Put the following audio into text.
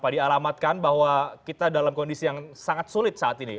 dialamatkan bahwa kita dalam kondisi yang sangat sulit saat ini